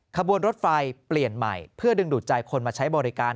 ขบวนรถไฟเปลี่ยนใหม่เพื่อดึงดูดใจคนมาใช้บริการ